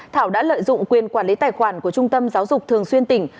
thảo đã lợi dụng quyền quản lý tài khoản của trung tâm giáo dục thường xuyên tỉnh